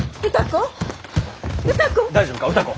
大丈夫か？